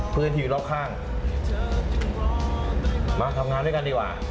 พื้นที่อยู่รอบข้างมาทำงานด้วยกันดีกว่า